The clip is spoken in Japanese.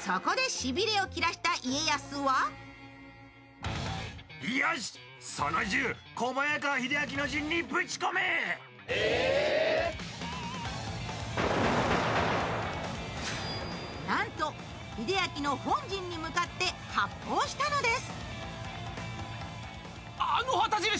そこで、しびれを切らした家康はなんと、秀秋の本陣に向かって発砲したのです。